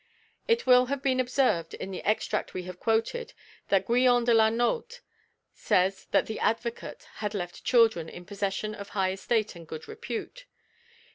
It will have been observed in the extract we have quoted that Guyon de la Nauthe says that the advocate had left children "in possession of high estate and good repute."